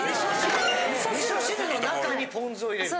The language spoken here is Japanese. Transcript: ・味噌汁の中にポン酢を入れるの？